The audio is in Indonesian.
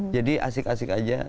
jadi asik asik aja